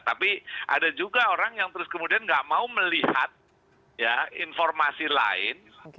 tapi ada juga orang yang terus kemudian nggak mau melihat informasi lain